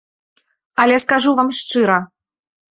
Але скажу вам шчыра.